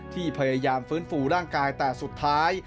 ที่พยายามฟื้นฟูร่างกายแต่สุดท้าย